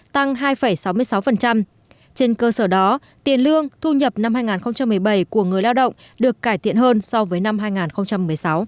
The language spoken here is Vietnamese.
trên cơ sở đó tiền lương thu nhập năm hai nghìn một mươi bảy của người lao động được cải tiện hơn so với năm hai nghìn một mươi sáu